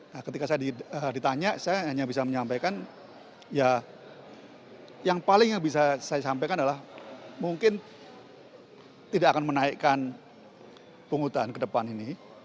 nah ketika saya ditanya saya hanya bisa menyampaikan ya yang paling bisa saya sampaikan adalah mungkin tidak akan menaikkan penghutan ke depan ini